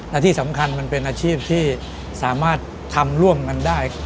และที่สำคัญมันเป็นอาชีพที่สามารถทำร่วมกันได้